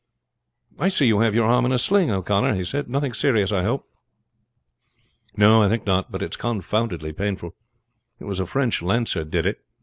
"I see you have your arm in a sling, O'Connor," he said. "Nothing serious, I hope?" "No, I think not; but it's confoundedly painful. It was a French lancer did it.